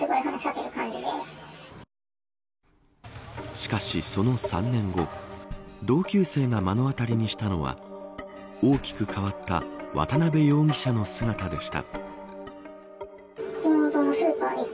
しかし、その３年後同級生が目の当たりにしたのは大きく変わった渡辺容疑者の姿でした。